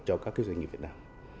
cho các doanh nghiệp việt nam